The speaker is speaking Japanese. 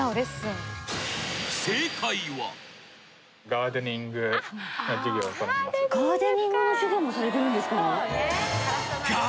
ガーデニングの授業もされてるんですか。